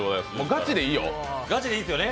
ガチでいいよ。